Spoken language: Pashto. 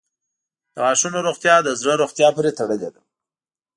• د غاښونو روغتیا د زړه روغتیا پورې تړلې ده.